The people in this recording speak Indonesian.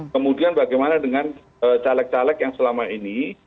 kemudian bagaimana dengan talek talek yang selama ini